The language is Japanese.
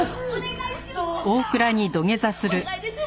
お願いです！